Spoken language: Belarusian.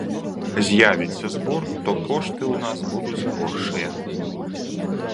З'явіцца збор, то кошты ў нас будуць горшыя.